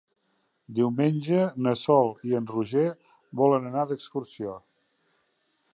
Diumenge na Sol i en Roger volen anar d'excursió.